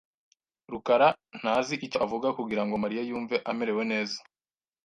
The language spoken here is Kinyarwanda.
rukara ntazi icyo avuga kugirango Mariya yumve amerewe neza .